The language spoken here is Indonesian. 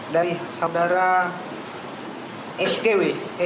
dari saudara sgw